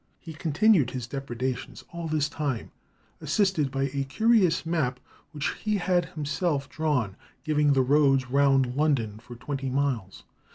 He continued his depredations all this time, assisted by a curious map which he had himself drawn, giving the roads round London for twenty miles.